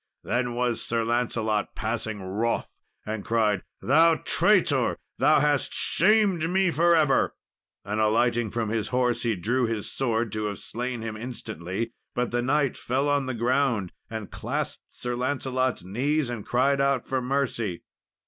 Then was Sir Lancelot passing wroth, and cried, "Thou traitor! Thou hast shamed me for ever!" and, alighting from his horse, he drew his sword to have slain him instantly; but the knight fell on the ground and clasped Sir Lancelot's knees, and cried out for mercy.